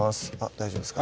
大丈夫ですか？